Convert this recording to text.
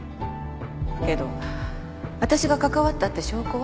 けど私が関わったって証拠は？